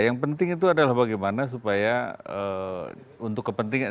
yang penting itu adalah bagaimana supaya untuk kepentingan